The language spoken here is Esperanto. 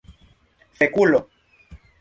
fekulo